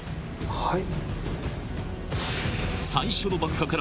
はい？